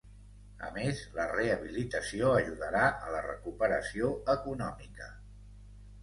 A més, la rehabilitació ajudarà a la recuperació econòmica.